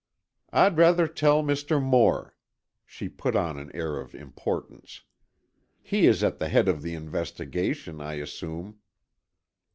"I'd rather tell Mr. Moore," she put on an air of importance. "He is at the head of the investigation, I assume."